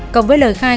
cộng với lời khai